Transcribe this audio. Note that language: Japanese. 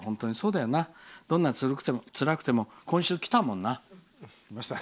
どんなにつらくても今週はきたもんな。